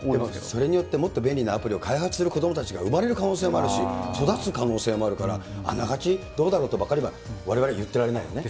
それによって、もっと便利なアプリを開発する子どもたちが生まれる可能性もあるし、育つ可能性もあるから、あながち、どうだろうとばかりは、われわれ言ってられないよね。